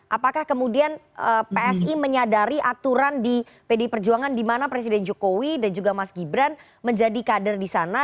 apakah kemudian psi menyadari aturan di pdi perjuangan di mana presiden jokowi dan juga mas gibran menjadi kader di sana